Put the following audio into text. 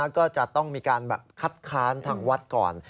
ก็จะต้องมีการแบบคัดค้านทางวัดก่อน